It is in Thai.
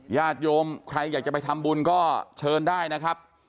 ญาติโยมใครอยากจะไปทำบุญก็เชิญได้นะครับ